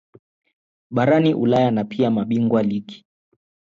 barani ulaya na pia mabingwa ligi